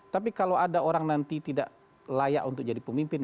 tapi kalau ada orang nanti tidak layak untuk jadi pemimpin